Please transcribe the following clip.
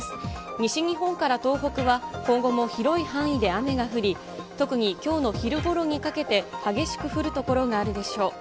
西日本から東北は今後も広い範囲で雨が降り、特にきょうの昼ごろにかけて、激しく降る所があるでしょう。